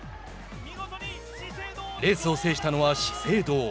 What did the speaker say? レースを制したのは資生堂。